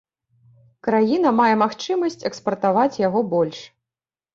Краіна мае магчымасць экспартаваць яго больш.